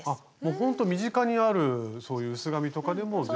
ほんと身近にあるそういう薄紙とかでも全然。